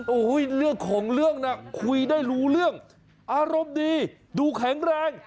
โอ้โหเรื่องของเรื่องน่ะคุยได้รู้เรื่องอารมณ์ดีดูแข็งแรง